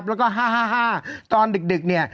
แล้วก็๕๕ตอนดึกเนี่ย